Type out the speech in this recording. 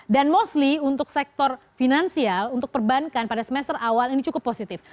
dan mostly untuk sektor finansial untuk perbankan pada semester awal ini cukup positif